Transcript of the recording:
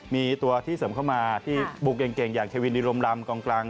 มีตัวที่เสริมเข้ามาที่บุกเก่งอย่างเทวินดิรมรำกองกลาง